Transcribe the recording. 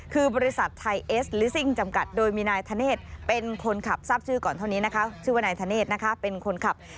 คือบริษัทไทยเอสลิซิ่งจำกัดโดยมีนายธเนธเป็นคนขับทราบชื่อก่อนเท่านี้นะคะชื่อว่านายธเนธนะคะเป็นคนขับ